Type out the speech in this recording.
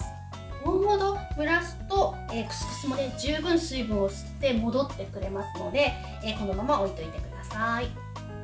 ５分ほど蒸らすとクスクスも十分水分を吸って戻ってくれますのでこのまま置いておいてください。